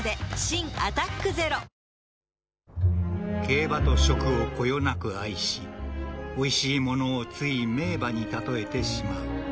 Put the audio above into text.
［競馬と食をこよなく愛しおいしいものをつい名馬に例えてしまう］